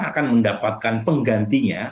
akan mendapatkan penggantinya